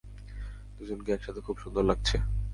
দুজনকে একসাথে খুব সুন্দর লাগছে।